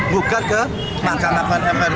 buka ke mangkalan mpr